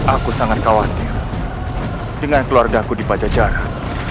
aku sangat khawatir dengan keluarga aku di pajak jarak